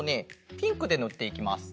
ピンクでぬっていきます。